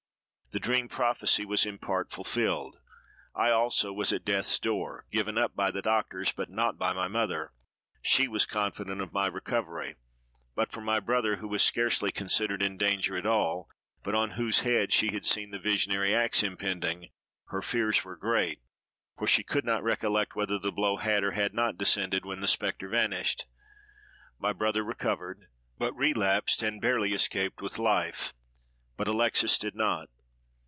The dream prophecy was in part fulfilled. I also was at death's door—given up by the doctors, but not by my mother: she was confident of my recovery; but for my brother, who was scarcely considered in danger at all, but on whose head she had seen the visionary axe impending, her fears were great; for she could not recollect whether the blow had or had not descended when the spectre vanished. My brother recovered, but relapsed, and barely escaped with life; but Alexes did not.